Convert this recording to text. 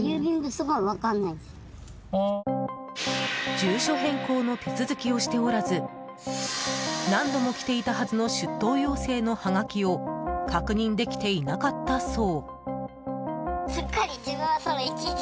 住所変更の手続きをしておらず何度も来ていたはずの出頭要請のはがきを確認できていなかったそう。